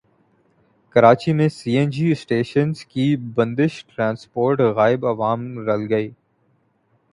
کراچی میں C N G stations کی بندش ٹرانسپورٹ غائب عوام رل گئے